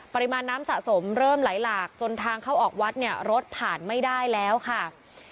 ปริมาณน้ำสะสมเริ่มไหลหลากจนทางเข้าออกวัดเนี่ยรถผ่านไม่ได้แล้วค่ะ